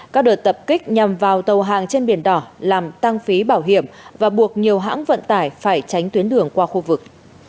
các đợt tập kích nhằm vào tàu hàng trên biển đỏ làm tăng phí bảo hiểm và buộc nhiều hãng vận tải phải tránh tuyến đường qua khu vực